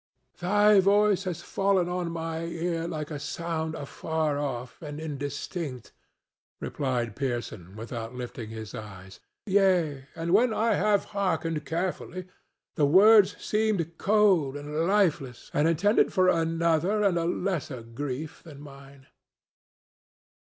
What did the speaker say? "Thy voice has fallen on my ear like a sound afar off and indistinct," replied Pearson, without lifting his eyes. "Yea; and when I have hearkened carefully, the words seemed cold and lifeless and intended for another and a lesser grief than mine.